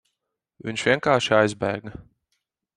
Viņš vienkārši aizbēga.